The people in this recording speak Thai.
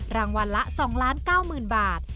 รางวัลละ๒๙ล้านบาท